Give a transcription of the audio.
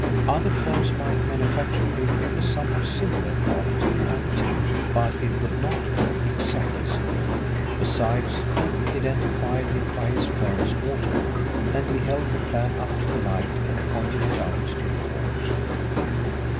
Other firms might manufacture paper of a somewhat similar quality and tint, but it would not be exactly similar. Besides, he identified it by his firm's watermark, and he held the plan up to the light and pointed it out to the court.